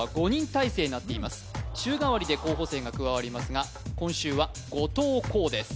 週替わりで候補生が加わりますが今週は後藤弘です